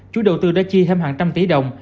chủ đầu tư đã chi thêm hàng trăm tỷ đồng